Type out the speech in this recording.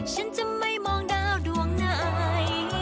ฉันจะไม่มองดาวดวงไหน